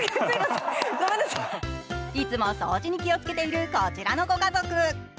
いつも掃除に気をつけているこちらのご家族。